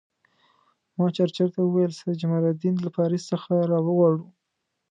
ما چرچل ته وویل سید جمال الدین له پاریس څخه را وغواړو.